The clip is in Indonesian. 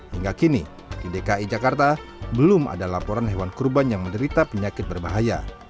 hingga kini di dki jakarta belum ada laporan hewan kurban yang menderita penyakit berbahaya